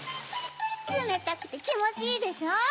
つめたくてきもちいいでしょ。